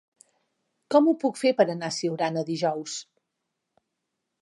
Com ho puc fer per anar a Siurana dijous?